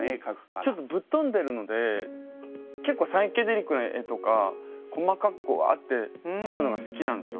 ちょっとぶっ飛んでるので結構サイケデリックな絵とか細かくわって描くのが好きなんですよ。